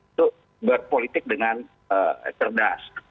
untuk berpolitik dengan cerdas